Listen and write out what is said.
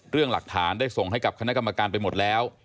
เรื่องหลักฐานได้ส่งให้กับคณะกรรมการไปหมดแล้ว